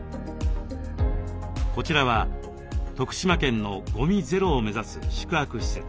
こちらは徳島県のゴミゼロを目指す宿泊施設。